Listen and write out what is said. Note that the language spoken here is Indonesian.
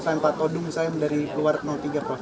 sampai pak todung saya dari luar tiga